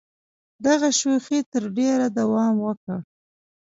دغې شوخۍ تر ډېره دوام وکړ.